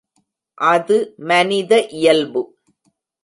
அது மனித இயல்பு.